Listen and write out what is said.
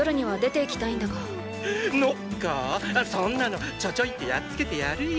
そんなのちょちょいってやっつけてやるよぉ！